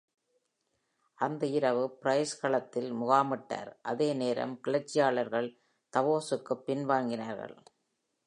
அன்று இரவு, பிரைஸ் களத்தில் முகாமிட்டார்; அதே நேரம், கிளர்ச்சியாளர்கள் தாவோஸுக்குப் பின்வாங்கினார்கள்.